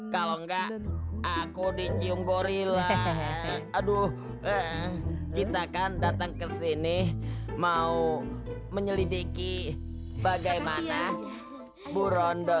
kalau nggak aku dicium gorilla aduh kita akan datang ke sini mau menyelidiki bagaimana burundi